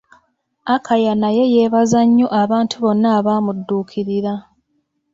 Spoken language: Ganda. Akaya naye yeebaza nnyo abantu bonna abaamuddukirira.